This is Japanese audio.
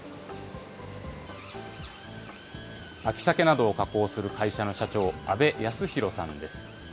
秋サケなどを加工する会社の社長、阿部泰浩さんです。